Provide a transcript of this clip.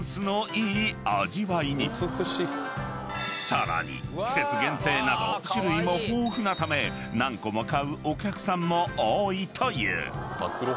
［さらに季節限定など種類も豊富なため何個も買うお客さんも多いという］